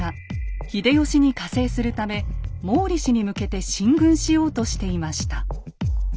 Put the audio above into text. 秀吉に加勢するため毛利氏に向けて進軍しようとしていました。